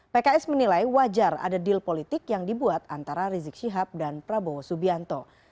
pks menilai wajar ada deal politik yang dibuat antara rizik syihab dan prabowo subianto